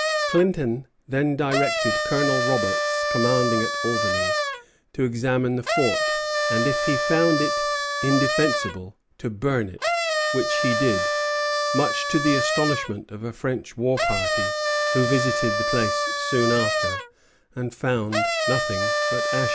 Clinton then directed Colonel Roberts, commanding at Albany, to examine the fort, and if he found it indefensible, to burn it, which he did, much to the astonishment of a French war party, who visited the place soon after, and found nothing but ashes.